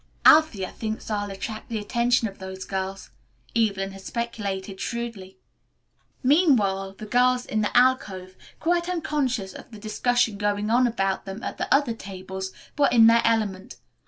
"Althea thinks I'll attract the attention of those girls," Evelyn had speculated shrewdly. Meanwhile the girls in the alcove, quite unconscious of the discussion going on about them at the other tables, were in their element.